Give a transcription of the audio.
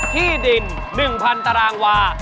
ที่ดิน๑๐๐๐ตารางวา